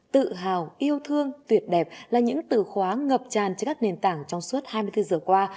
tự hào yêu thương tuyệt đẹp là những từ khóa ngập tràn trên các nền tảng trong suốt hai mươi bốn giờ qua